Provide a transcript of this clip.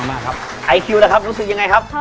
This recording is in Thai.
ไอคิวนะครับรู้สึกยังไงครับ